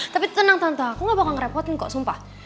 tapi tenang tante aku gak bakal ngerepotin kok sumpah